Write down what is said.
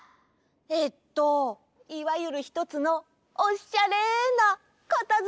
えっといわゆるひとつのおしゃれなかたづけばしょを！